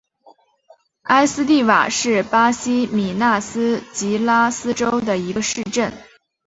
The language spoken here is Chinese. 埃斯蒂瓦是巴西米纳斯吉拉斯州的一个市镇。